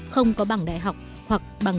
không có bằng đại học hoặc bằng